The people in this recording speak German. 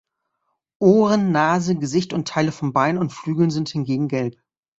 Ohren, Nase, Gesicht und Teile von Beinen und Flügeln sind hingegen gelb.